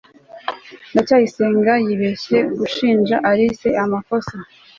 ndacyayisenga yibeshye gushinja alice amakosa